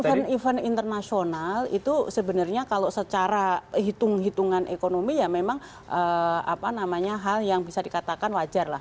karena event internasional itu sebenarnya kalau secara hitung hitungan ekonomi ya memang hal yang bisa dikatakan wajar lah